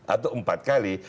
atau empat kali